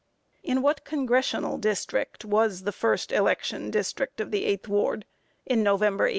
In what Congressional District was the first election district of the 8th Ward, in November, 1872?